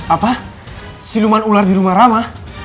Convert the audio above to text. apa siluman ular di rumah ramah